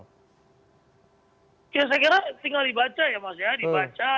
ya saya kira tinggal dibaca ya mas ya dibaca